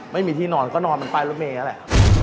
ไม่มีที่นอนก็นอนไปรถเมฆนั่นแหละ